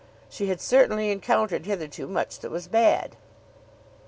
She had certainly encountered hitherto much that was bad.